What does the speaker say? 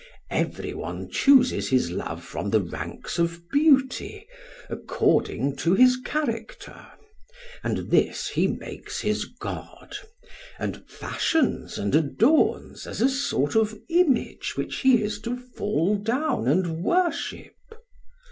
Every one chooses his love from the ranks of beauty according to his character, and this he makes his god, and fashions and adorns as a sort of image which he is to fall down and worship.